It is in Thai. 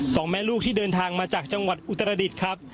สองแม่ลูกที่เดินทางมาจากจังหวัดอุตรดิษฐ์ครับ